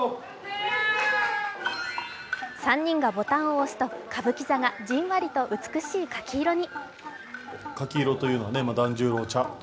３人がボタンを押すと歌舞伎座がじんわりと美しい柿色に。